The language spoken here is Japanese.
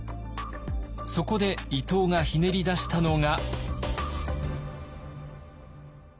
そこで伊藤がひねり出したのが。